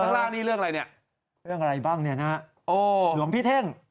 ข้างล่างนี่เรื่องอะไรเนี่ยเรื่องอะไรบ้างเนี่ยนะฮะโอ้หลวงพี่เท่ง